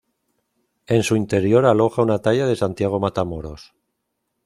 En su interior aloja un talla de Santiago Matamoros.